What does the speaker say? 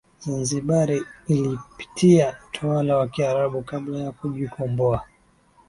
Zanzibar ilipitia utawala wa kiarabu kabla ya kujikomboa